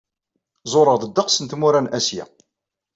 Ẓureɣ-d ddeqs n tmura n Asya.